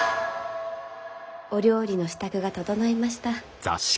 お料理の支度が整いました。